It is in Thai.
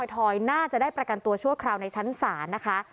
ถอยน่าจะได้ประกันตัวชั่วคราวในชั้นศาลนะคะ